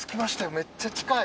めっちゃ近い。